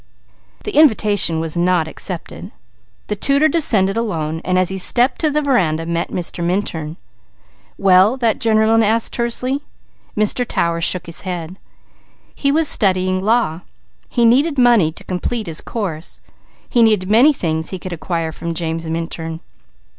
The invitation was not accepted. The tutor descended alone. As he stepped to the veranda he met Mr. Minturn. "Well?" that gentleman asked tersely. Mr. Tower shook his head. He was studying law. He needed money to complete his course. He needed many things he could acquire from James Minturn.